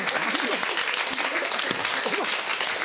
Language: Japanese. お前。